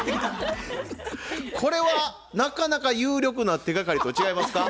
これはなかなか有力な手がかりと違いますか？